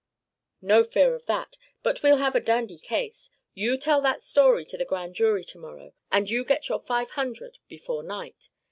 "No fear of that, but we'll have a dandy case. You tell that story to the Grand Jury to morrow, and you get your five hundred before night.